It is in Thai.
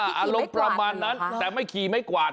อารมณ์ประมาณนั้นแต่ไม่ขี่ไม่กวาด